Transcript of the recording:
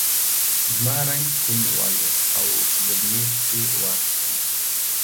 زما رنګ سپین والوت او ګبڼۍ پسې واخیستم.